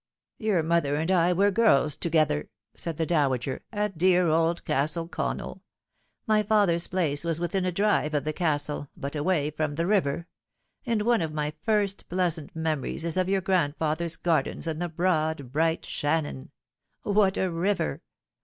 "Your mother and I were girls together," said the Dowager, " at dear old Castle Connell. My father's place was within a drive of the Castle, but away from the river ; and one of my first pleasant memories is of your grandfather's gardens and the broad, bright Shannon. What a river